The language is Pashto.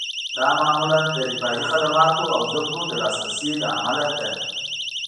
دا معمولاً د رفاهي خدماتو او زده کړو د لاسرسي له امله ده